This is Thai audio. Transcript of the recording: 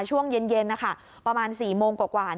ช่วงเย็นนะคะประมาณ๔โมงกว่า